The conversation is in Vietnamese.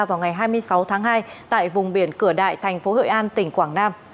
vào ngày hai mươi sáu tháng hai tại vùng biển cửa đại tp hội an tỉnh quảng nam